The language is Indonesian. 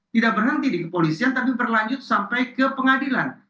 tidak berhenti di kepolisian tapi berlanjut sampai ke pengadilan